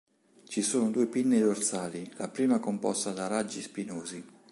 Ci sono due pinne dorsali, la prima composta da raggi spinosi.